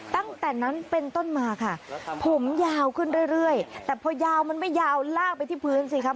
ตั้งแต่นั้นเป็นต้นมาค่ะผมยาวขึ้นเรื่อยแต่พอยาวมันไม่ยาวลากไปที่พื้นสิครับ